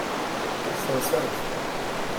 Sensent-t.